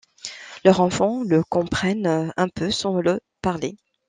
Leurs enfants le comprennent un peu sans le parler.